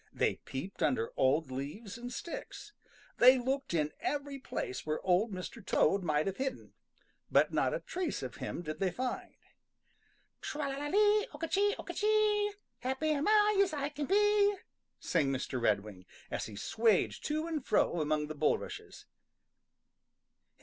They peeped under old leaves and sticks. They looked in every place where Old Mr. Toad might have hidden, but not a trace of him did they find. "Tra la la lee! Oka chee! Oka chee! Happy am I as I can be!" sang Mr. Redwing, as he swayed to and fro among the bulrushes.